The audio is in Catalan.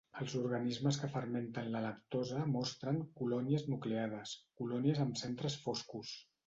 Els organismes que fermenten la lactosa mostren "colònies nucleades", colònies amb centres foscos.